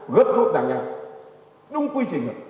gấp rút đàn nhạc đúng quy trình